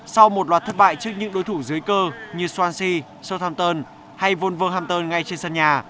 sau một loạt thất bại trước những đối thủ dưới cơ như swansea southampton hay wolverhampton ngay trên sân nhà